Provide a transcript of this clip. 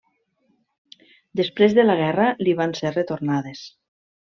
Després de la guerra li van ser retornades.